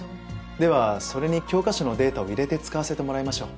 ではそれに教科書のデータを入れて使わせてもらいましょう。